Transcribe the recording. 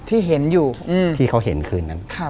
ที่เขาเห็นคืนนั้น